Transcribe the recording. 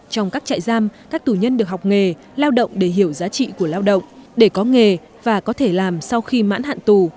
trong các trại giam các tù nhân được học nghề lao động để hiểu giá trị của lao động để có nghề và có thể làm sau khi mãn hạn tù